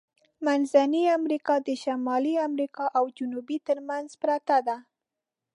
منځنۍ امریکا د شمالی امریکا او جنوبي ترمنځ پرته ده.